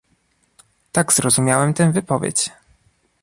Tak zrozumiałem tę wypowiedź